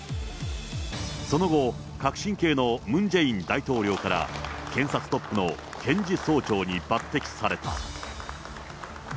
その後、革新系のムン・ジェイン大統領から、検察トップの検事総長に抜てきされた。